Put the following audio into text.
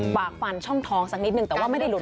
ฝากฟันช่องท้องสักนิดนึงแต่ว่าไม่ได้หลุ